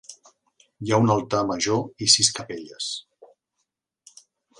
Hi ha un altar major i sis capelles.